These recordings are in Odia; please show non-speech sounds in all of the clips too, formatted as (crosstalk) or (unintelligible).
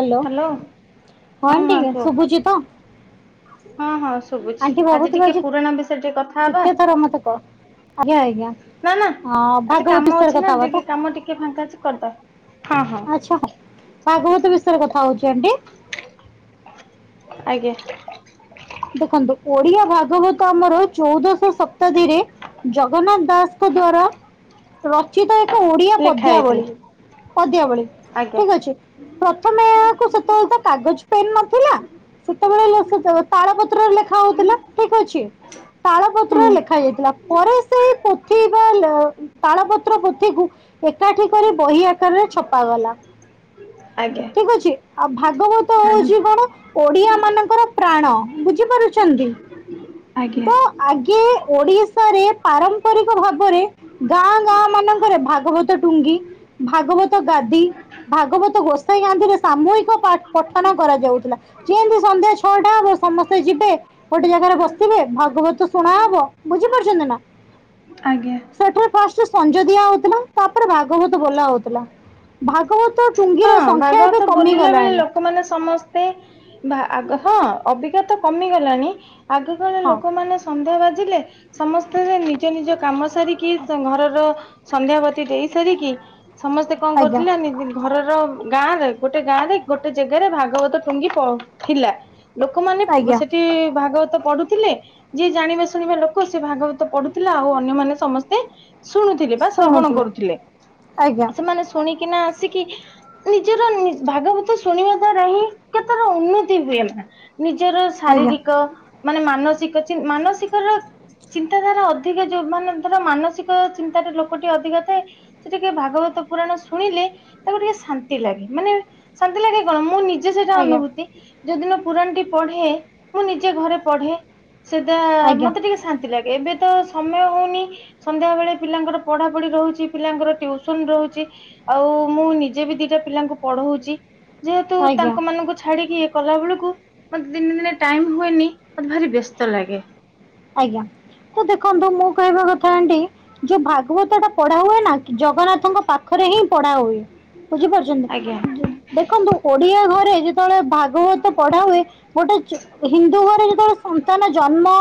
ହ୍ୟାଲୋ ହଁ ଆଣ୍ଟି ମା କୁହ। ଶୁଭୁଛି ତ? ହଁ ହଁ ଶୁଭୁଛି ଆଣ୍ଟି ଆଜି କହୁଥିଲ ଟିକେ ଯେ ପୁରାଣ ବିଷୟରେ ଟିକେ କଥା ହବା। କେତେ ଥର କ ମତ କହ ନା ନା ଆଜି ଭାଗବତ କାମ ବିଷୟରେ ଅଛି ନା କଥା ଟିକେ କାମ ଟିକେ ଫାଙ୍କା ଅଛି କରିଦବା। ହଁ ହଁ ଆଛା ହଉ ଭାଗବତ ବିଷୟରେ କଥା ହଉଛି ଆଣ୍ଟି ଆଜ୍ଞା ଦେଖନ୍ତୁ ଓଡିଆ ଭାଗବତ ଆମର ଚଉଦଶ ଶତାବ୍ଦୀରେ ଜଗନ୍ନାଥ ଦାସଙ୍କ ଦ୍ଵାରା ରଚିତ ଏକ ଓଡିଆ ଲେଖା ପଦ୍ୟାବଳି ହେଇଥିଲା ପଦ୍ୟାବଳି ଆଜ୍ଞା ଠିକ ଅଛି ପ୍ରଥମେ ଏହାକୁ ସେତେବେଳେ ତ କାଗଜ ପେନ୍ ନଥିଲା ସେତେବେଳେ ତାଳ ପତ୍ରରେ ଲେଖା ହଉଥିଲା ଠିକ ଅଛି ତାଳ ପତ୍ରରେ ହୁଁ ଲେଖା ଯାଇଥିଲା। ପରେ ସେଇ ପୋଥି ବା ତାଳ ପତ୍ର ପୋଥିକୁ ଏକାଠି କରି ବହି ଆକାରରେ ଛପାଗଲା। ଆଜ୍ଞା ଠିକ ଅଛି ଆଉ ଭାଗବତ ଆଜ୍ଞା ହଉଛି କଣ ଓଡିଆ ମାନଙ୍କର ପ୍ରାଣ ବୁଝି ପାରୁଛନ୍ତି ଆଜ୍ଞା। ଆଗେ ଓଡିଶାରେ ପାରମ୍ପରିକ ଭାବରେ ଗାଁ ଗାଁ ମାନଙ୍କରେ ଭାଗବତ ଟୁଙ୍ଗି ଭାଗବତ ଗାଦି ଭାଗବତ ଗୋସାଇ ଗାନ୍ଧିରେ ସାମୁହିକ ପାଠ ପଠନ କରାଯାଉଥିଲା। ଯେନ୍ତି ସନ୍ଧ୍ୟା ଛଟା ହବ ସମସ୍ତେ ଯିବେ ଗୋଟେ ଜାଗାରେ ବସିବେ ଭାଗବତ ଶୁଣା ହବ ବୁଝିପାରୁଛନ୍ତି ନା। ଆଜ୍ଞା। ସେଠାରେ ଫାଷ୍ଟ ସଞ୍ଜ ଦିଆ ହଉଥିଲା ତାପରେ ଭାଗବତ ବୋଲା ହଉଥିଲା। ଭାଗବତ ଟୁଙ୍ଗିର ସଂଖ୍ୟା ଏବେ କମିଗଲାଣି। ଲୋକ ମାନେ ସମସ୍ତେ ଭା ଆଗ ହଁ ଅବିକା ତ କମିଗଲାଣି ଆଗ ବେଳେ ହଁ ଲୋକମାନେ ସନ୍ଧ୍ୟା ବାଜିଲେ ସମସ୍ତେ କାମ ସରିକି ଘରର ସନ୍ଧ୍ୟାବତୀ ଦେଇ ସାରିକି ସମସ୍ତେ କଣ ଆଜ୍ଞା କରୁଥିଲେ ଘରର ଗାଁରେ ଗୋଟେ ଗାଁ ରେ ଗୋଟେ ଜାଗାରେ ଭାଗବତ ଟୁଙ୍ଗି ଥିଲା ଲୋକମାନେ ଆଜ୍ଞା ସେଠି ଟି ଭାଗବତ ପଢୁଥିଲେ। ଯିଏ ଜାଣିବା ଶୁଣିବା ଲୋକ ସେ ଭାଗବତ ପଢୁଥିଲା ଆଉ ଅନ୍ୟମାନେ ସମସ୍ତେ ଶୁଣୁଥିଲେ ବା ଶ୍ରବଣ ଶୁଣୁଥିଲେ କରୁଥିଲେ ଆଜ୍ଞା ସେମାନେ ଶୁଣିକିନା ଆସିକି ନିଜର ଭାଗବତ ଶୁଣିବା ଦ୍ଵାରା ହିଁ କେତର ଉନ୍ନତି ହୁଏ ନା। ନିଜର ଆଜ୍ଞା ଶାରୀରିକ ମାନେ ମାନସିକ ଚି ମାନସିକ ର ଚିନ୍ତାଧାରା ଅଧିକ ଯୋଉ ମାନେ ଧର ମାନସିକ ଚିନ୍ତାାରେ ଲୋକଟି ଅଧିକ ଥାଏ। ସେ ଟିକେ ଭାଗବତ ପୁରାଣ ଶୁଣିଲେ ତାକୁ ଟିକେ ଶାନ୍ତି ଲାଗେ ମାନେ ଶାନ୍ତି ଲାଗେ କଣ ମୁଁ ନିଜେ ସେଇଟା ଆଜ୍ଞା ଅନୁଭୂତି। ଯଉଦିନ ମୁଁ ପୁରାଣ ଟି ପଢେ ମୁଁ ନିଜେ ଘରେ ପଢେ ସେଟା ଆଜ୍ଞା ମତେ ଟିକେ ଶାନ୍ତି ଲାଗେ। ଏବେ ତ ସମୟ ହଉନି। ସନ୍ଧ୍ୟା ବେଳେ ପିଲାଙ୍କର ପଢା ପଢି ରହୁଛି ପିଲାଙ୍କର ଟିଉସନ ରହୁଛି ଆଉ ମୁଁ ନି ଯେ ବି ଦିଟା ପିଲାଙ୍କୁ ପଢଉଛି ଯେହେତୁ ଆଜ୍ଞା ତାଙ୍କ ମାନଙ୍କୁ ଛାଡିକି କଲା ବେଳକୁ ମତେ ଦିନେ ଦିନେ ଟାଇମ ହୁଏନି ମତେ ଭାରି ବ୍ୟସ୍ତ ଲାଗେ। ଆଜ୍ଞା ତ ଦେଖନ୍ତୁ ମୁଁ କହିବା କଥା ଆଣ୍ଟୀ ଯଉ ଭାଗବତ ତ ପଢ଼ା ହୁଏ ନା ଜଗନ୍ନାଥଙ୍କ ପାଖରେ ହିଁ ପଢା ହୁଏ ବୁଝିପାରୁଛନ୍ତି। ଆଜ୍ଞା। ଦେଖନ୍ତୁ ଓଡିଆ ଘରେ ଯେତେବେଳେ ଭାଗବତ ପଢା ହୁଏ। ଗୋଟେ ହିନ୍ଦୁ ଘରେ ଯେତେବେଳେ ସନ୍ତାନ ଜନ୍ମ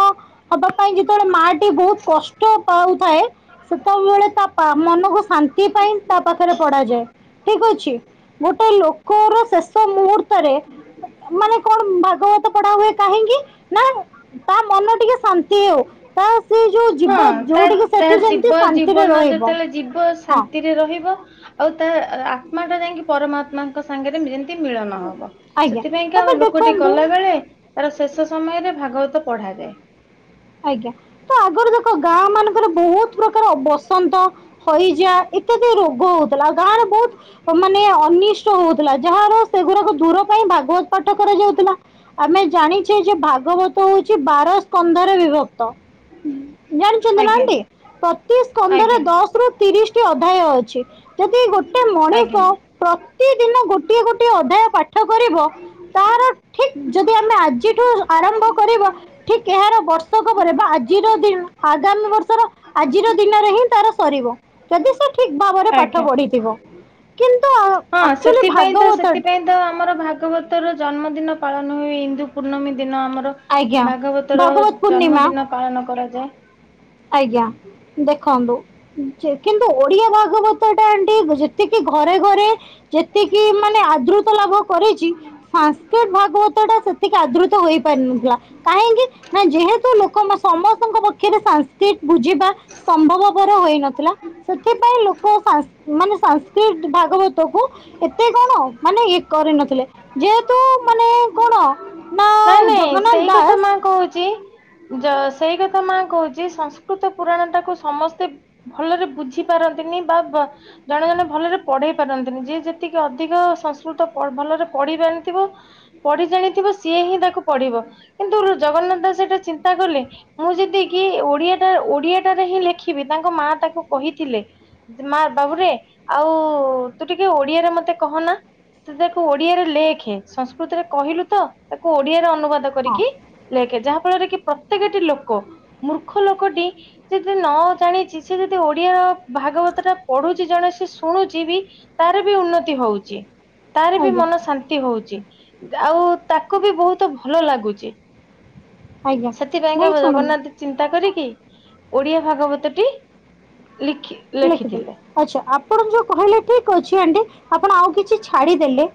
ହବା ପାଇଁ ଯେତେବେଳେ ମା ଟି ବହୁତ କଷ୍ଟ ପାଉଥାଏ। ସେତବଳେ ତା ପା ମନକୁ ଶାନ୍ତି ପାଇଁ ତା ପାଖରେ ପଢାଯାଏ। ଠିକ ଅଛି, ଗୋଟେ ଲୋକର ଶେଷ ମୁହୂର୍ତ୍ତରେ ମାନେ କଣ ଭାଗବତ ପଢା ହୁଏ କାହିଁକି? ନା ତା ମନ ଟିକେ ଶାନ୍ତି ହଉ, ତା ସେ ଯୋଉ ଯିବ ଯୋଉ ଟିକେ ତାହା ଜୀବ ଜୀବନ ଯେତେବେଳେ ଯିବ ହଁ ଶାନ୍ତି ରେ ରହିବ ଆଉ ତା ଆତ୍ମା ଟା ଯାଇକି ପରମାତ୍ମାଙ୍କ ସାଙ୍ଗରେ ମିଳନ ହବ, ଆଜ୍ଞା ସେଥିପାଇଁ କା ଆମ ତାପରେ ଲୋକଟି ଦେଖନ୍ତୁ ଗଲାବେଳେ ତାର ଶେଷ ସମୟରେ ଭାଗବତ ପଢାଯାଏ। ଆଜ୍ଞା, ତ ଆଗରୁ ଦେଖ ଗାଁ ମାନଙ୍କରେ ବହୁତ ପ୍ରକାର ବସନ୍ତ, ହଇଜା ଇତ୍ୟାଦି ରୋଗ ହଉଥିଲା, ଗାଁ ରେ ବହୁତ ମାନେ ଅନିଷ୍ଟ ହଉଥିଲା, ଯାହାର ସେଗୁଡାକୁ ଦୂର ପାଇଁ ଭାଗବତ ପାଠ କରାଯାଉଥିଲା। ଆମେ ଜାଣିଛେ ଯେ- ଭାଗବତ ହଉଛି ବାର ସ୍କନ୍ଧରେ ବିଭକ୍ତ। ଜାଣିଛନ୍ତି ନା। ଆଜ୍ଞା (unintelligible) ପ୍ରତି ସ୍କନ୍ଧରେ ଆଜ୍ଞା ଦଶ ରୁ ତିରିଶି ଟି ଅଧ୍ୟାୟ ଅଛି। ଯଦି ଗୋଟେ ଆଜ୍ଞା ମଣିଷ ପ୍ରତିଦିନ ଗୋଟିଏ ଗୋଟିଏ ଅଧ୍ୟାୟ ପାଠ କରିବ ତାର ଠିକ ଯଦି ଆମେ ଆଜିଠୁ ଆରମ୍ଭ କରିବା, ଠିକ ଏହାର ବର୍ଷ ପରେ ବା ଆଜିର ଦିନ ଆଗାମୀ ବର୍ଷର ଆଜିର ଦିନରେ ହିଁ ତାର ସରିବ, ଯଦି ସେ ଠିକ ଭାବରେ ପାଠ ଆଜ୍ଞା। ପଢିଥିବ କିନ୍ତୁ ହଁ ଆକୁଚୁଆଲି ସେଥିପାଇଁ ତ ଭାଗବତ ସେଥିପାଇଁ ଆମର ଭାଗବତର ଜନ୍ମଦିନ ପାଳନ ହୁଏ ଇନ୍ଦୁ ପୂର୍ଣ୍ଣମୀ ଦିନ ଆମର ଆଜ୍ଞା ଭାଗବତ ର ଜନ୍ମଦିନ ପାଳନ କରାଯାଏ। ଆଜ୍ଞା, ଦେଖନ୍ତୁ ଯେ କିନ୍ତୁ ଓଡିଆ ଭାଗବତ ଟା ଆଣ୍ଟି ଯେତିକି ଘରେ ଘରେ ଯେତିକି ମାନେ ଆଦୃତ ଲାଭ କରିଚି ସାଂସ୍କ୍ରିଟ ଭାଗବତ ଟା ସେତିକି ଆଦୃତ ହେଇପାରିନଥିଲା। କାହିଁକି ନା ଯେହେତୁ ଲୋକମାନେ ସମସ୍ତଙ୍କ ପକ୍ଷରେ ସାଂସ୍କ୍ରିଟ ବୁଝିବା ସମ୍ଭବପର ହୋଇ ନଥିଲା। ସେଥିପାଇଁ ଲୋକ ସାଂସ ମାନେ ସାଂସ୍କ୍ରିଟ ଭାଗବତ କୁ ଏତେ କଣ ମାନେ ଇଏ କରିନଥିଲେ, ଯେହେତୁ ମାନେ କଣ? ନା ନାଇଁ ନାଇଁ ଜଗନ୍ନାଥ ସେଇ କଥା ଦାସ ମା କହୁଚି। ଯ ସେଇ କଥା ମା କହୁଚି ସଂସ୍କୃତ ପୁରାଣ ଟାକୁ ସମସ୍ତେ ଭଲରେ ବୁଝି ପାରନ୍ତିନି, ବା-ବ ଜଣେ ଜଣେ ଭଲରେ ପଢେଇ ପାରନ୍ତିନି, ଯିଏ ଯେତିକି ଅଧିକ ସଂସ୍କୃତ ଭଲରେ ପଢି ଜାଣିଥିବ ପଢି ଜାଣିଥିବ ସିଏ ହିଁ ତାକୁ ପଢିବ କିନ୍ତୁ ଜଗନ୍ନାଥ ଦାସ ସେଟା ଚିନ୍ତା କଲେ। ମୁଁ ଯେଦି କିି ଓଡିଆଟା, ଓଡିଆଟାରେ ହିଁ ଲେଖିବି ତାଙ୍କ ମା ତାକୁ କହିଥିଲେ। ମା ବାବୁରେ, ଆଉ ତୁ ଟିକେ ଓଡିଆରେ ମତେ କହନା। ତୁ ତାକୁ ଓଡିଆରେ ଲେଖେ, ସଂସ୍କୃତରେ କହିଲୁ ତ, ତାକୁ ଓଡିଆରେ ଅନୁବାଦ ହଁ କରିକି ଲେଖେ, ଯାହା ଫଳରେ କି ପ୍ରତ୍ୟେକଟି ଲୋକ ମୂର୍ଖ ଲୋକଟି ସେ ଯ ନ ଜାଣିଚି ସେ ଯଦି ଓଡିଆର ଭାଗବତ ଟା ପଢୁଚି ଜଣେ ସେ ଶୁଣୁଚୁ ବି ତାର ବି ଉନ୍ନତି ହଉଚି। ତାର ବି ଆଜ୍ଞା ମନ ଶାନ୍ତି ହଉଚି ଆଉ ତାକୁ ବି ବହୁତ ତ ଭଲ ଲାଗୁଚି, ଆଜ୍ଞା ସେଥିପାଇଁକା ନାଇଁ ଶୁଣନ୍ତୁ ଜଗନ୍ନାଥ ଚିନ୍ତା କରିକି, ଓଡିଆ ଭାଗବତ ଟି ଲିଖି ଲେଖିଦେଲେ, ଆଛା ଆପଣ ଯୋଉ କହିଲେ ଠିକ ଅଛି ଆଣ୍ଟି ଆପଣ ଆଉ କିଛି ଛାଡିଦେଲେ।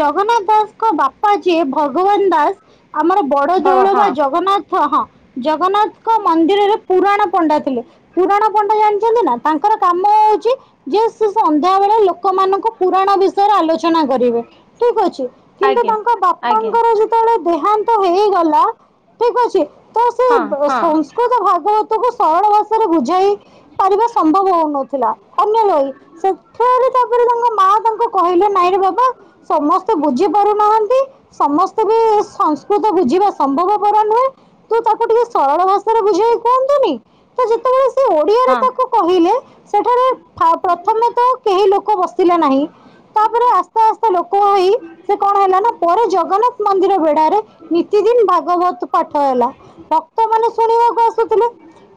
ଜଗନ୍ନାଥ ଦାସଙ୍କ ବାପା ଯିଏ ଭଗବାନ ଦାସ, ଆମର ବଡ ହଁ ଦଉଳ ବା ହଁ ଜଗନ୍ନାଥ ହ ହଁ ଜଗନ୍ନାଥଙ୍କ ମନ୍ଦିରରେ ପୁରାଣ ପଣ୍ଡା ଥିଲେ। ପୁରାଣ ପଣ୍ଡା ଜାଣିଛନ୍ତି ନା? କର କାମ ହଉଚି ଯେ ସେ ସନ୍ଧ୍ୟା ବେଳେ ଲୋକ ଲୋକ ମାନଙ୍କୁ ପୁରାଣ ବିଷୟରେ ଆଲୋଚନା କରିବେ, ଠିକ ଅଛି କିନ୍ତୁ ଆଜ୍ଞା ତାଙ୍କ ଆଜ୍ଞା ବାପାଙ୍କର ଯଉ ଙ୍କର ଦେହାନ୍ତ ହେଇଗଲା ଠିକ ଅଛି, ତ ସେ ହଁ ବ ହଁ ସଂସ୍କୃତ ଭାଗବତ କୁ ସରଳ ଭାଷାରେ ବୁଝାଇ ପାରିବେ ସମ୍ଭବ ହଉନଥିଲା, ଅନ୍ୟ ଲହି ସେଠାରେ ତାପରେ ତାଙ୍କ ମା ତାଙ୍କୁ କହିଲେ ନାଇଁରେ ବାବା ସମସ୍ତେ ବୁଝି ପାରୁନାହାନ୍ତି ସମସ୍ତେ ବି ସଂସ୍କୃତ ବୁଝିବା ସମ୍ଭବପର ନୁହେଁ। ତୁ ତାକୁ ଟିକେ ସରଳ ଭାଷାରେ ବୁଝେଇକି କୁହନ୍ତୁନି ତ ଯେତେବେଳେ ସେ ଓଡିଆରେ ହଁ ତାକୁ କହିଲେ ସେଠାରେ ଫା ପ୍ରଥମେ ତ କେହି ଲୋକ ବସିଲେ ନାହିଁ, ତାପରେ ଆସ ଆସ୍ତେ ଆସ୍ତେ ଲୋକ ହୋଇ ସେ କଣ ହେଲା ନା ପରେ ଜଗନ୍ନାଥ ମନ୍ଦିର ବେଡାରେ ନିତି ଦିନ ଭାଗବତ ପାଠ ହେଲା ଭକ୍ତମାନେ ଶୁଣିବାକୁ ଆସୁଥିଲେ,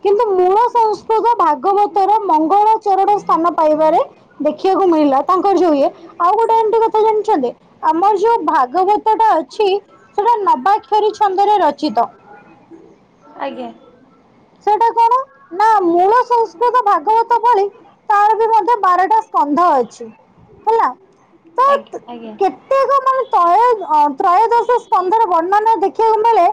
କିନ୍ତୁ ମୂଳ ସଂସ୍କୃତ ଭାଗବତ ତର ମଙ୍ଗଳ ଚରଣ ସ୍ଥାନ ପାଇବାରେ ଦେଖିବାକୁ ମିଳିଲା ତାଙ୍କର ଯଉ ଇଏ ଆଉ ଗୋଟେ ଏମିତି କଥା ଜାଣିଚନ୍ତି। ଆମର ଯୋଉ ଭାଗବତ ଟା ଅଛି ସେଟା ନବାକ୍ଷରୀ ଛନ୍ଦରେ ରଚିତ। (inaudible) ଆଜ୍ଞା। ସେଇଟା କଣ ନା ମୂଳ ସଂସ୍କୃତ ଭାଗବତ ଭଳି ତାର ବି ମଧ୍ୟ ବାରଟା ସ୍କନ୍ଧ ଅଛି ହେଲା। ଆଜ୍ଞା ଆଜ୍ଞା। ପ୍ରତେକ ମାନେ ତ୍ରୟୋ ଅ ତ୍ରୟୋଦଶ ସ୍କନ୍ଦରେ ବର୍ଣ୍ଣନା ଦେଖିବାକୁ ମିଳେ।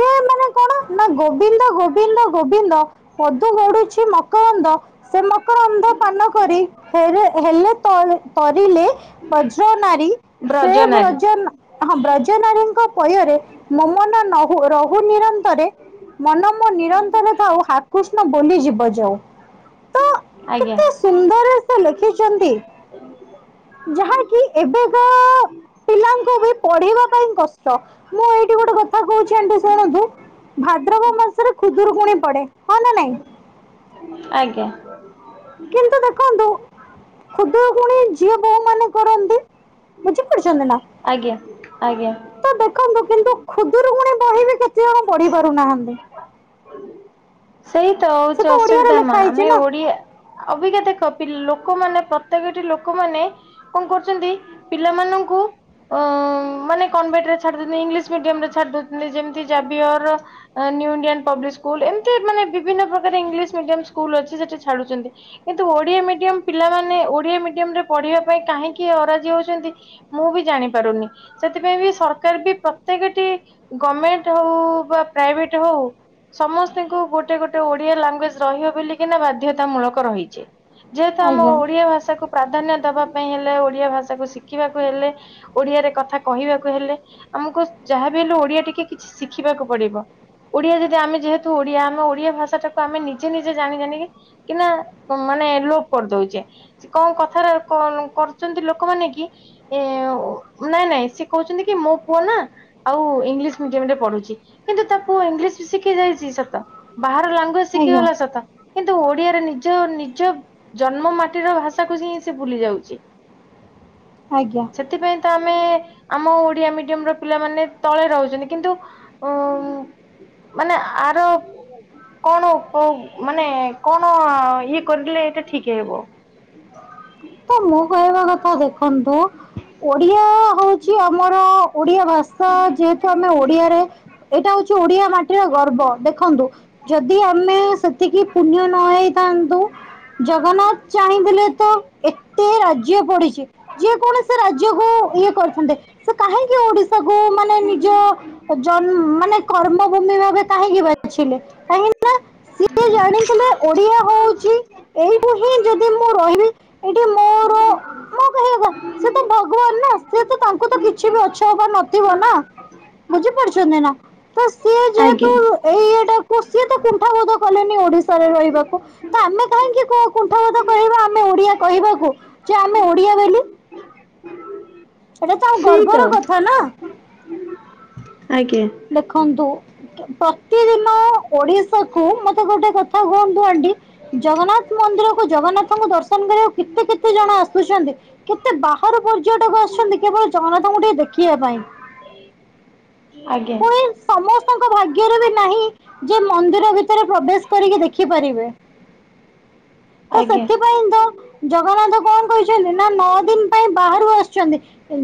ଯେ ମାନେ କଣ ନା ଗୋବିନ୍ଦ ଗୋବିନ୍ଦ ଗୋବିନ୍ଦ ଗୋବିନ୍ଦ ପଦୁ ଗଡୁଛି ମକରନ୍ଦ ସେ ମକରନ୍ଦ ପାନ କରି ହେରେ ହେଲେ ତର୍ ତରିଲେ ବଜ୍ର ନାରୀ ସେ ବ୍ରଜନାରୀ ବ୍ରଜ ନା ହଁ ବ୍ରଜ ନାରୀଙ୍କ ପୟରେ ମୋମନ ନହୁ ରହୁ ନିରନ୍ତରେ ମନ- ମୋ ନିରନ୍ତର ଥାଉ ହାକୃଷ୍ଣ ବୋଲିୁ ଯିବ ଯାଉ ତ ଆଜ୍ଞା। ସୁନ୍ଦରରେ ସେ ଲେଖିଛନ୍ତି ଯାହାକି ଏବେ ପିଲାଙ୍କୁ ବି ପଢିବା ପାଇଁ କଷ୍ଟ ମୁଁ ଏଇଠି ଗୋଟେ କଥା କହୁଛି ଆଣ୍ଟି ଶୁଣନ୍ତୁ। ଭାଦ୍ରବ ମାସରେ ଖୁଦୁରୁକୁୁଣି ପଡେ ହଁ ନା ନାଇଁ। ଆଜ୍ଞା। କିନ୍ତୁ ଦେଖନ୍ତୁ ଖୁଦରୁକୁଣି ଝିଅ ବୋହୂ ମାନେ କରନ୍ତି ବୁଝି ପାରୁଛନ୍ତି ନା? ଆଜ୍ଞା ଆଜ୍ଞା। ତ ଦେଖନ୍ତୁ କିନ୍ତୁ ଖୁଦୁରୁକୁଣି ବହି ବି କେତେ ଜଣ ପଢି ପାରୁନାହାନ୍ତି। ସେଇ ତ ସେ ହଉଛି ଓଡ଼ିଆରେ ଅସୁବିଧା ମା ଲେଖା ହେଇଛି ଆମେ ନା ଓଡିଆ ଅବିକା ଦେଖ ପି ଲୋକମାନେ ପ୍ରତ୍ୟେକ ଟି ଲୋକମାନେ - - କଣ କରୁଛନ୍ତି ପିଲାମାନଙ୍କୁ ଅ ମାନେ କନଭେଣ୍ଟ ରେ ଛାଡିଉଛନ୍ତି ଇଂଲିଶ ମିଡିୟମ ରେ ଛା ଦଉଛନ୍ତି ଯେମତି ଜାବିଅର ନିଉ ଇଣ୍ଡିଆନ ପବ୍ଲିକ ସ୍କୁଲ ଏମତି ମାନେ ବିଭିନ୍ନ ପ୍ରକାର ଇଂଲିଶ ମିଡିୟମ ସ୍କୁଲ ଅଛି ସେଠି ଛାଡୁଛନ୍ତି। କିନ୍ତୁ ଓଡିଆ ମିଡିୟମ ପିଲାମାନେ ଓଡିଆ ମିଡିୟମ ରେ ପଢିବା ପାଇଁ କାହିଁକି ଅରାଜି ହେଉଛନ୍ତି। ମୁଁ ବି ଜାଣି ପାରୁନି ସେଥିପାଇଁ ବି ସରକାର ବି ପ୍ରତ୍ୟକଟି - ଗମେଣ୍ଟ ହଉ ବା ପ୍ରାଇଭେଟ ହଉ ସମ ସ୍ତ ଙ୍କୁ ଗୋଟେ ଗୋଟେ ଓଡିଆ ଲାଙ୍ଗୁଏଜ ରହିବ ବୋଲିକିନା ବାଧ୍ୟତାମୂଳକ ରହିଛି। ଯେହେତୁ ଆମ ଆଜ୍ଞା ଓଡିଆ ଭାଷାକୁ ପ୍ରାଧାନ୍ୟ ଦବା ପାଇଁ ହେଲେ ଓଡିଆ ଭାଷାକୁ ଶିଖିବାକୁ ହେଲେ ଓଡିଆରେ କଥା କହିବାକୁ ହେଲେ ଆମକୁ ଯାହାବି ହେଲେ ଓଡିଆ ଟିକେ କିଛି ଶିଖିବାକୁ ପଡିବ। ଓଡିଆ ଯଦି ଆମେ ଯେହେତୁ ଓଡିଆ ଆମ ଓଡିଆ ଭାଷାଟାକୁ ଆମେ ନିଜେ ନିଜେ ଜାଣି ଜାଣିକି କି ନା ମାନେ ଲୋପ କରିଦଉଛେ। ସେ କଣ କଥାରେ କରୁଛନ୍ତି ଲୋକମାନେ କି ଏ ନାଇଁ ନାଇଁ ସେ କହୁଛନ୍ତି କି ମୋ ପୁଅ ନା ଆଉ ଇଂଲିଶ ମିଡିୟମ ରେ ପଢୁଛି କିନ୍ତୁ ତା ପୁଅ ଇଂଲିଶ ବି ଶିଖି ଯାଇଛି ସତ ବାହାର ଲାଙ୍ଗୁଏଜ ଆଜ୍ଞା ଶିଖିଗଲା ସତ କିନ୍ତୁ ଓଡିଆରେ ନିଜ ନିଜ ଜନ୍ମ ମାଟିର ଭାଷାକୁ ହିଁ ସେ ଭୁଲି ଯାଉଛି। ଆଜ୍ଞା। ସେଥିପାଇଁ ତ ଆମେ ଆମ ଓଡିଆ ମିଡିୟମ ର ପିଲାମାନେ ତଳେ ରହୁଛନ୍ତି କିନ୍ତୁ - ଓମ୍ ମାନେ ଆର - କଣ ଉପଗ ମାନେ କଣ ଇଏ କରିଲେ ଏଟା ଠିକ୍ ହେବ? ତ ମୁଁ କହିବା କଥା ଦେଖନ୍ତୁ ଓଡିଆ ହଉଛି - ଆମର ଓଡିଆ ଭାଷା ଯେହେତୁ ଆମେ ଓଡିଆରେ ଏଟା ହଉଛି ଓଡିଆ - ମାଟିର ଗର୍ବ ଦେଖନ୍ତୁ ଯଦି ଆମେ ସେତିକି ପୁଣ୍ୟ ନହେଇ - ଥାନ୍ତୁ ଜଗନ୍ନାଥ ଚାହିଁଥିଲେ ତ ଏତେ ରାଜ୍ୟ ପଡିଛି - ଯେ କୌଣସି ରାଜ୍ୟକୁ ଇଏ କରିଥାନ୍ତେ ସେ କାହିଁକି ଓଡିଶା ମକୁ ମାନେ ନିଜ ଜନ୍ ମାନେ କର୍ମ ଭୂମି ଭାବେ- କାହିଁକି ବାଛିଲେ କାହିଁକି? ସିଏ ଜାଣିଥିଲେ ଓଡିଆ ହଉଛି ଏଇଠୁ ହିଁ ଯଦି ମୁଁ ରହିବି। ଏଇଠି ମୋର ମୋ କହିବା କଥା ସେ ତ ଭଗବାନ - ନାଁ ସେତ ତାଙ୍କୁ ତ କିଛି ବି ଅଛ ବା ନଥିବ ନା ବୁଝି ପାରୁଛନ୍ତି ନା। ତ ସିଏ ଯେହେତୁ ଆଜ୍ଞା ଏଏଇଟା କୁ ସିଏ ତ କୁଣ୍ଠାବୋଧ କଲେନି ଓଡିଶାରେ ରହିବାକୁ। ତ ଆମେ କାହିଁକି କୁଣ୍ଠବୋଧ କରିବା ଆମେ ଓଡିଆ - କହିବାକୁ ଯେ ଆମେ ଓଡିଆ ବୋଲି। ଏଇଟା ତମ ସେଇ ତ ଗର୍ବର କଥା ନା। (inaudible) ଆଜ୍ଞା। ଲେଖନ୍ତୁ ପ୍ରତିଦିନ ଓଡିଶା କୁ ମତେ ଗୋଟେ କଥା - ମତେ କୁହନ୍ତୁ ଆଣ୍ଟି ଜଗନ୍ନାଥ ମନ୍ଦିରକୁ ଜଗନ୍ନାଥଙ୍କୁ ଦର୍ଶନ କରିବାକୁ - କେତେ କେତେ ଜଣ ଆସୁଛନ୍ତି। କେତେ ବାହାରୁ ପର୍ଯ୍ୟଟକ ଆସୁଛନ୍ତି କେବଳ ଜଗନ୍ନାଥଙ୍କୁ ଟିକେ ଦେଖିବା ପାଇଁ। ଆଜ୍ଞା। ଇଁ ସମସ୍ତଙ୍କ ଭାଗ୍ୟରେ ବି ନାହିଁ ଯେ ମନ୍ଦିର ଭିତରେ ପ୍ରବେଶ କରିକି ଦେଖିପାରିବେ। ତ ଆଜ୍ଞା ସେଥିପାଇଁ ତ। ଜଗନ୍ନାଥ କଣ କହିଛନ୍ତି ନା ନଅ ଦିନ ପାଇଁ ବାହାରୁ ଆସୁଛନ୍ତି।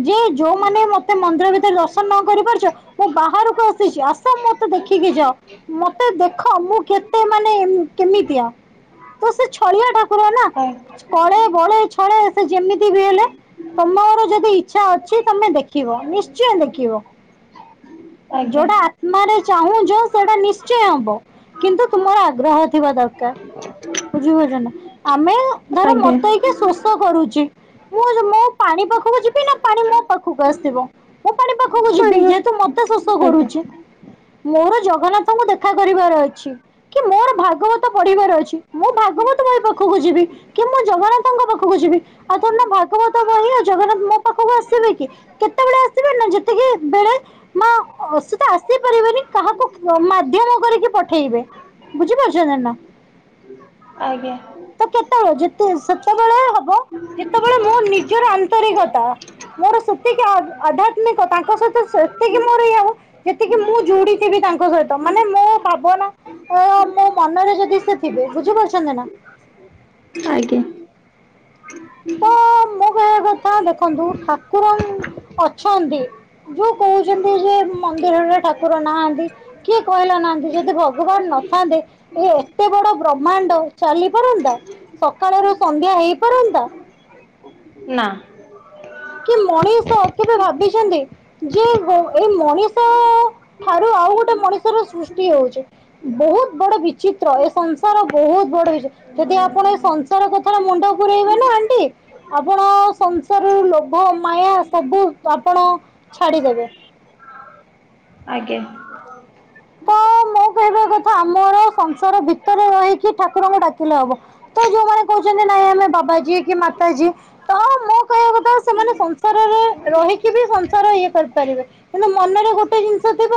ଯେ ଯୋଉମାନେ ମତେ ମନ୍ଦିର ଭିତରେ ଦର୍ଶନ ନ କରି ପାରୁଛ। ମୁଁ ବାହାରକୁ ଆସିଛି ଆସ ମତେ ଦେଖିକି ଯାଅ। ମତେ ଦେଖ ମୁଁ କେତେ ମାନେ କେମିତିଆ ତ ସେ ଛଳିଆ ଠାକୁର ନା। କଳେ ବଳେ ଛଳେ ସେ ଯେମିତି ବି ହେଲେ। ତମର ଯଦି ଇଚ୍ଛା ଅଛି ତମେ ଦେଖିବ ନିଶ୍ଚୟ ଦେଖିବ। (unintelligible) ଆଜ୍ଞା। ଯଉଟା ଆତ୍ମା ରେ ଚାହୁଁଛ ସେଟା ନିଶ୍ଚୟ ହବ କିନ୍ତୁ ତୁମର ଆଗ୍ରହ ଥିବା ଦରକାର। ବୁଝିପାରୁଛ ନା ଆମେ ଧର ଆଜ୍ଞା ମତେ ଏଇଖା ଶୋଷ। ଶୋଷ କରୁଛି ମୁଁ ଜ ମୁଁ ପାଣି ପାଖକୁ ଯିବି ନା ପାଣି ମୋ ପାଖକୁ ଆସିବ। ମୁଁ ପାଣି ପାଖକୁ ଯିବି ପାଣି ଯେହେତୁ ମତେ ଶୋଷ ଆଜ୍ଞା। କରୁଛି ମୋର ଜଗନ୍ନାଥଙ୍କୁ ଦେଖ ଦେଖା କରିବାର ଅଛି କି ମୋର ଭାଗବତ ପଢିବାର ଅଛି ମୁଁ ଭାଗବତ ବହି ପାଖକୁ ଯିବି। କି ମୁଁ ଜଗନ୍ନାଥଙ୍କ ପାଖକୁ ଯିବି ଆଉ ଥନା ଭାଗବତ ବହି ଆଉ ଜଗନ୍ନାଥ ମୋ ପାଖକୁ ଆସିବେ କି। କେତେବେଳେ ଆସିବେ ନା ଯେତିକି ବେଳେ। ନା ସିଏ ତ ଆସି ପାରିବେନି କାହାକୁ ଅ ମାଧ୍ୟମ କରିକି ପଠେଇବେ। ବୁଝିପାରୁଛନ୍ତି ନା। ଆଜ୍ଞା। ତ କେତେବେଳେ ଯେତେ ସେତେବେଳେ ହବ ଯେତେବେଳେ ମୋ ନିଜର ଆନ୍ତରିକତା। ମୋର ସେତିକି ଆ-ଆଧ୍ୟାତ୍ମିକ ତାଙ୍କ ସହିତ ସେତିକି ମୋର ଇଏ ଯେତିକି ମୁଁ ଯୁଡି ଥିବି ତାଙ୍କ ସହିତ ମାନେ ମୋ ଭାବନା। ଓ ମୋ ମନରେ ଯଦି ସେ ଥିବେ ବୁଝିପାରୁଛନ୍ତି ନା? ଆଜ୍ଞା। ତ ମୋ କହିବା କଥା ଦେଖନ୍ତୁ ଠାକୁରଙ୍କ ଅଛନ୍ତି। ଯୋଉ କହୁଛନ୍ତି ଯେ ମନ୍ଦିରରେ ଠାକୁର ନାହାନ୍ତି। କିଏ କହିଲା ନାହାନ୍ତି ଯଦି ଭଗବାନ ନଥାନ୍ତେ। ଏ-ଏତେ ବଡ ବ୍ରହ୍ମାଣ୍ଡ ଚାଲି ପାରନ୍ତା ସକାଳ ରୁ ସନ୍ଧ୍ୟା ହେଇପାରନ୍ତା। ନା। କି ମଣିଷ କେବେ ଭାବିଛନ୍ତି। ଯେ ଏ ଏଇ ମଣିଷ ଠାରୁ ଆଉ ଗୋଟେ ମଣିଷର ସୃଷ୍ଟି ହେଉଚି। ବହୁତ ବଡ ବିଚିତ୍ର ଏ ସଂସାର ବହୁତ ବଡ ବିଚ ଯଦି ଆପଣ ଏ ସଂସାର କଥାରେ ମୁଣ୍ଡ ପୁରେଇବେ ନା ଆଣ୍ଟି ଆପଣ ସଂସାରରୁ ଲୋ ଭ ମାୟା ସବୁ ଆପଣ ଛାଡିଦେବେ। ଆଜ୍ଞା। ତ ମୋ କହିବା କଥା ଆମର ସଂସାର ଭିତରେ ରହିକି ଠାକୁରଙ୍କୁ ଡାକିଲେ ହବ ତ ଯୋଉମାନେ କହୁ ଚନ୍ତି ନାଇ ଆମେ ବାବାଜି କିଏ ମାତାଜି। ତ ମୋ କହିବା କଥା ସେମାନେ ସଂସାରରେ ରହିକି ବି ସଂସାର ଇଏ କରିପାରିବେ। ମାନେ ମନରେ ଗୋଟେ ଜିନିଷ ଥିବ